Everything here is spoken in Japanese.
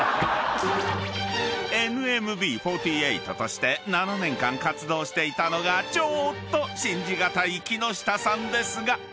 ［「ＮＭＢ４８」として７年間活動していたのがちょーっと信じ難い木下さんですが］